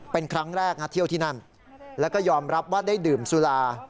เป็นครั้งแรกนะเที่ยวที่นั่นแล้วก็ยอมรับว่าได้ดื่มสุรา